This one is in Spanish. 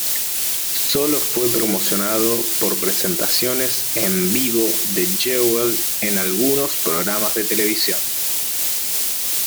Solo fue promocionado por presentaciones en vivo de Jewel en algunos programas de televisión.